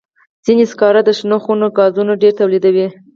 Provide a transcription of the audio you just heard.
ځینې سکاره د شنو خونو ګازونه ډېر تولیدوي.